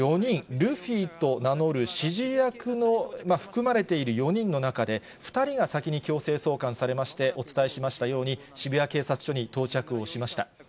ルフィと名乗る指示役も含まれている４人の中で、２人が先に強制送還されまして、お伝えしましたように、渋谷警察署に到着をしました。